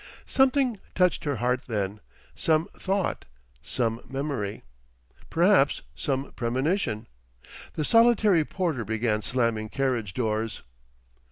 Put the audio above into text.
Something touched her heart then, some thought, some memory; perhaps some premonition.... The solitary porter began slamming carriage doors.